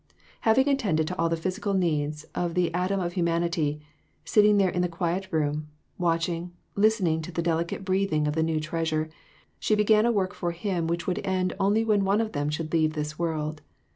Having attended to all the physical needs of th' :tom of humanity, sitting there in the quiet room, watching, listening to the delicate breathing of the new treasure, she began a work for him which would end only when one of them should leave this world.